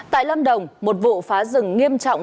tại lâm đồng một vụ phá rừng nghiêm trọng